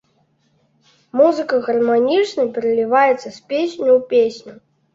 Музыка гарманічна пераліваецца з песні ў песню.